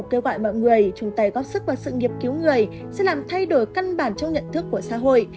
kêu gọi mọi người chúng ta góp sức vào sự nghiệp cứu người sẽ làm thay đổi cân bản trong nhận thức của xã hội